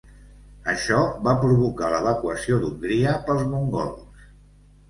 Això va provocar l'evacuació d'Hongria pels mongols.